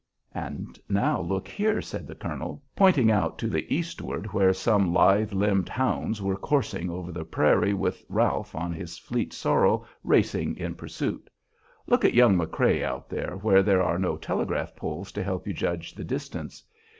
"And now look here," said the colonel, pointing out to the eastward where some lithe limbed hounds were coursing over the prairie with Ralph on his fleet sorrel racing in pursuit. "Look at young McCrea out there where there are no telegraph poles to help you judge the distance.